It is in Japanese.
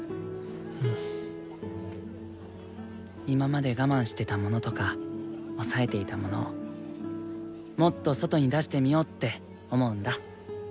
今まで我慢してたものとか抑えていたものをもっと外に出してみようって思うんだ。